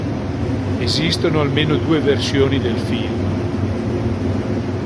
Esistono almeno due versioni del film.